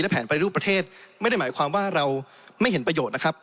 แผนปฏิรูปประเทศไม่ได้หมายความว่าเราไม่เห็นประโยชน์นะครับ